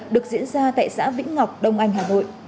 được diễn ra tại xã vĩnh ngọc đông anh hà nội